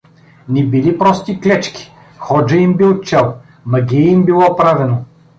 Не били прости клечки, ходжа им бил чел, магия им било правено.